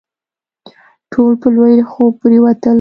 ټول په لوی خوب پرېوتل.